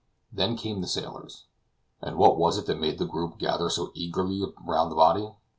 Then came the sailors. And what was it that made the group gather so eagerly around the body?